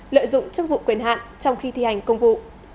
lợi dụng chức vụ quyền hạn trong khi thi hành công vụ